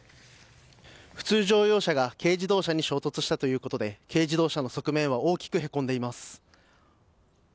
普通乗用車が軽自動車に衝突したということで軽自動車の側面は大きくへこんでいます。